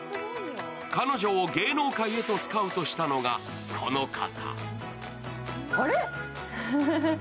彼女を芸能界へとスカウトしたのがこの方。